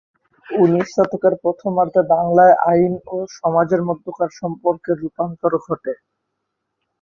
উনিশ শতকের প্রথমার্ধে বাংলায় আইন ও সমাজের মধ্যকার সম্পর্কের রূপান্তর ঘটে।